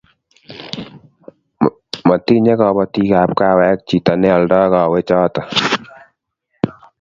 motinyei kabotikab kawek chito neoldoi kawechoto